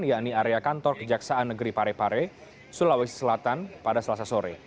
yakni area kantor kejaksaan negeri parepare sulawesi selatan pada selasa sore